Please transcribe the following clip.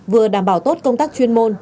vừa đảm bảo tốt công tác chuyên môn